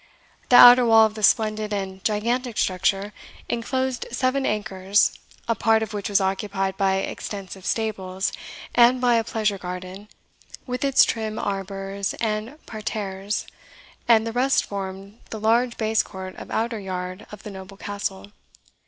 The outer wall of this splendid and gigantic structure enclosed seven acres, a part of which was occupied by extensive stables, and by a pleasure garden, with its trim arbours and parterres, and the rest formed the large base court or outer yard of the noble Castle.